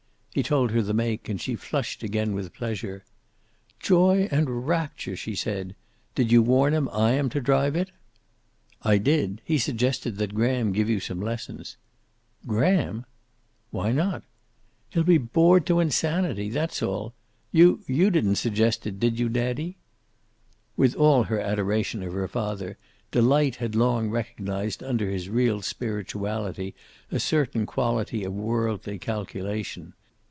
He told her the make, and she flushed again with pleasure. "Joy and rapture!" she said. "Did you warn him I am to drive it?" "I did. He suggests that Graham give you some lessons." "Graham!" "Why not?" "He'll be bored to insanity. That's all. You you didn't suggest it, did you, daddy?" With all her adoration of her father, Delight had long recognized under his real spirituality a certain quality of worldly calculation.